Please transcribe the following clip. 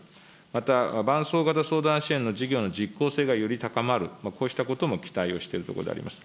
また、伴走型相談支援の事業の実効性がより高まる、こうしたことも期待をしているところであります。